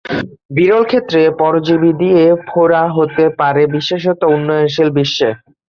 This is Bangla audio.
বিরল ক্ষেত্রে পরজীবী দিয়ে ফোড়া হতে পারে বিশেষত উন্নয়নশীল বিশ্বে।